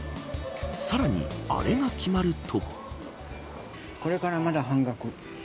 さらに、アレが決まると。